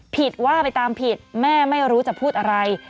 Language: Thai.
ผิดว่าไปตามผิดแม่ไม่รู้จะพูดอะไร